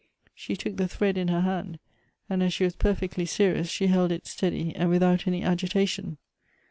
She took the thread in her hand, and as she was per fectly serious, she held it steady, and without any agita tion.